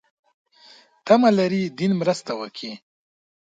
تمه لري دین مرسته وکړي.